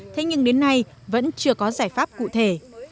thế nhưng đến nay vẫn chưa có giải pháp cụ thể